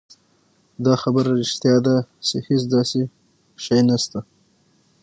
دا خبره رښتيا ده چې هېڅ داسې شی نشته